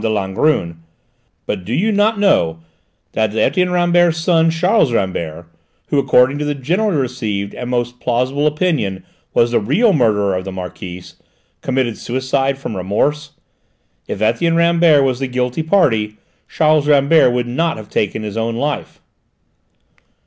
de Langrune; but do you not know that Etienne Rambert's son, Charles Rambert, who, according to the generally received, and most plausible, opinion was the real murderer of the Marquise, committed suicide from remorse? If Etienne Rambert was the guilty party, Charles Rambert would not have taken his own life."